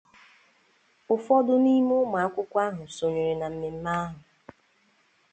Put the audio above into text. ụfọdụ n'ime ụmụakwụkwọ ahụ sonyere na mmemme ahụ